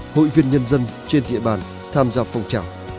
hội viên nhân dân trên địa bàn tham gia phong trào